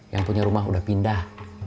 yang punya rumah udah pindah